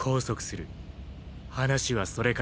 話はそれからだ。